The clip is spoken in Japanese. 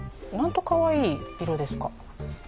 なんとかわいい色ですか！